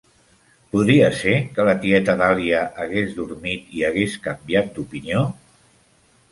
Podria ser que la tieta Dahlia hagués dormit i hagués canviat d'opinió?